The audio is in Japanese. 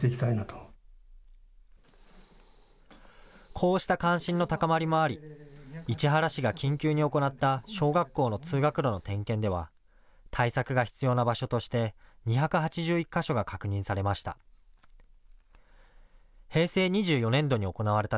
こうした関心の高まりもあり市原市が緊急に行った小学校の通学路の点検では対策が必要な場所として２８１か所が確認されました。